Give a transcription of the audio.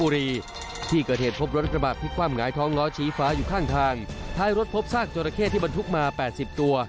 อุบัติฝาอยู่ข้างทางท้ายรถพบซากโจรเข้ที่บรรทุกมา๘๐ตัว